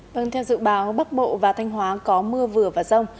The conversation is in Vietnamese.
vâng theo dự báo bắc bộ và thanh hóa có mưa vừa và rông